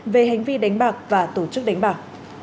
về hành vi đánh bạc và tổ chức đánh bạc